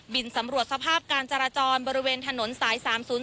สำรวจสภาพการจราจรบริเวณถนนสาย๓๐๔